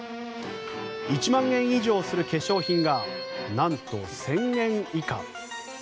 １万円以上する化粧品がなんと１０００円以下。